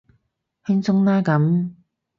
輕鬆啦咁